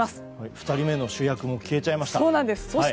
２人目の主役が消えちゃいました。